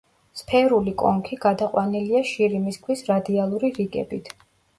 სფერული კონქი გადაყვანილია შირიმის ქვის რადიალური რიგებით.